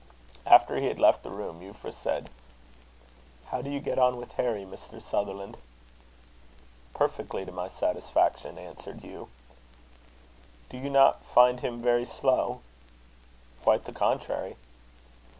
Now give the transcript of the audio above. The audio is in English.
After he had left the room, Euphra said: "How do you get on with Harry, Mr. Sutherland?" "Perfectly to my satisfaction," answered Hugh. "Do you not find him very slow?" "Quite the contrary."